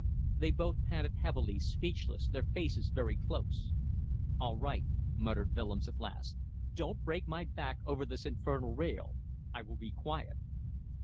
They both panted heavily, speechless, their faces very close. "All right," muttered Willems at last. "Don't break my back over this infernal rail. I will be quiet."